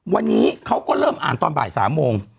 วันนี้เขาก็เริ่มอ่านตอนบ่าย๓โมง